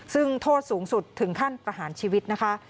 ซึ่งโทษสูงสุดถึงขั้นประหารชีวิตนะคะ